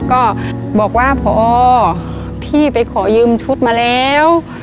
ก็บอกว่าพอพี่ไปขอยืมชุดมาแล้ว